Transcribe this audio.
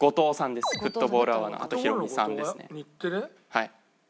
はい。